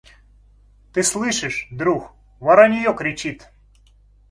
Ты слышишь, друг: воронье кричит.